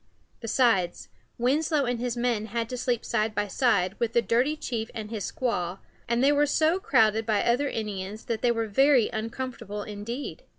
Besides, Winslow and his men had to sleep side by side with the dirty chief and his squaw, and they were so crowded by other Indians that they were very uncomfortable indeed.